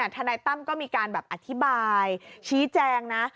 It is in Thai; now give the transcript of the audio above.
ทนายตั้มก็มีการแบบอธิบายชี้แจงนะ